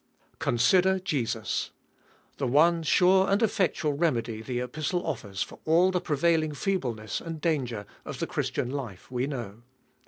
Consider Jesus. The one sure and effectual remedy the Epistle offers for all the prevailing feebleness and danger of the Christian life, we know.